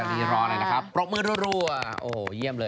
วันนี้รอเลยนะครับปรบมือรัวโอ้โหเยี่ยมเลย